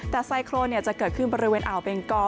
แต่ไซโครนจะเกิดขึ้นบริเวณอ่าวเบงกอ